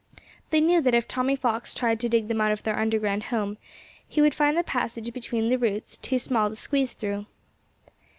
They knew that if Tommy Fox tried to dig them out of their underground home, he would find the passage between the roots too small to squeeze through.